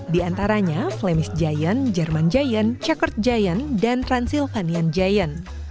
di antaranya flemish giant german giant checkered giant dan transylvanian giant